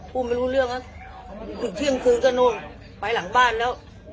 พูดไม่รู้เรื่องแล้วถึงเที่ยงคืนก็นู่นไปหลังบ้านแล้ว